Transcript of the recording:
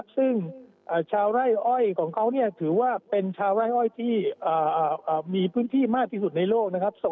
ซึ่งชาวไร่อ้อยของเขาถือว่าเป็นชาวไร่อ้อยที่มีพื้นที่มากที่สุดในโลกนะครับ